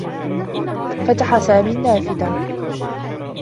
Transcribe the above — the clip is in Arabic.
فتح سامي النّافذة.